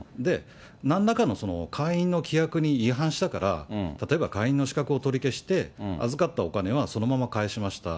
なんらかの会員の規約に違反したから、例えば会員の資格を取り消して、預かったお金はそのまま返しました。